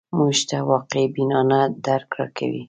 موږ ته واقع بینانه درک راکوي